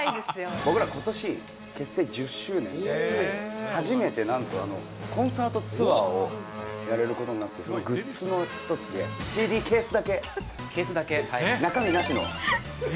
僕らことし結成１０周年、初めてなんと、コンサートツアーをやれることになって、そのグッズの一つでＣＤケースだけ、中身なしの。